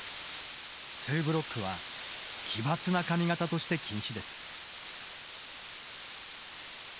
「ツーブロック」は奇抜な髪型として禁止です。